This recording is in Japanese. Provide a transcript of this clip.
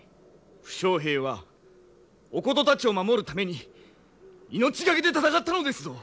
負傷兵はおことたちを守るために命懸けで戦ったのですぞ！